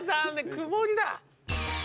曇りだ。